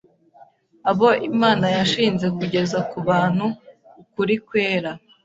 abo Imana yashinze kugeza ku bantu ukuri kwera